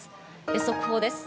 速報です。